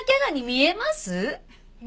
見えます！